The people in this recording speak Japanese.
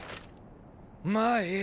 まァいい。